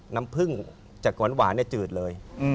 น้ำผึ้งจากหวานจืดเลย